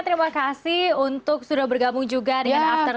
terima kasih untuk sudah bergabung juga dengan after sepuluh